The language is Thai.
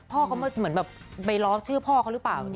พ่อเขามาเหมือนแบบไปล้อมชื่อพ่อเขาหรือเปล่า